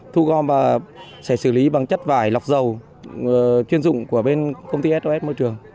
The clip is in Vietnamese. thu gom và sẽ xử lý bằng chất vải lọc dầu chuyên dụng của bên công ty sos môi trường